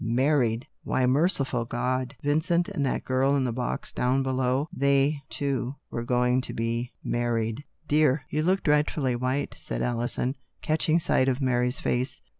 Married ! Merciful God ! Why Vin cent and that girl in the box down below — they, too, were going to be married. " Dear, you look dreadfully white," said Alison, catching sight of Maiy's face.